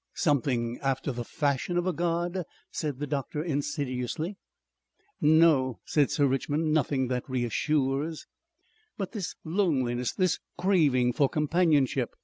"Something after the fashion of a God," said the doctor insidiously. "No," said Sir Richmond. "Nothing that reassures." "But this loneliness, this craving for companionship...."